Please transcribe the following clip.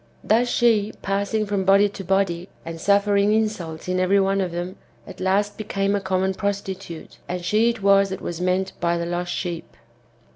Thus she, passing from body to body, and suffering insults in every one of them, at last became a common prostitute ; and she it was that was meant by the lost sheep.